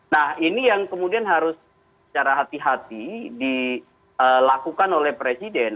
nah ini yang kemudian harus secara hati hati dilakukan oleh presiden